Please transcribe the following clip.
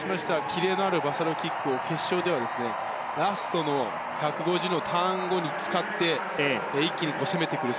キレのあるバサロキックを決勝では、ラストの１５０のターン後に使って一気に攻めてくる。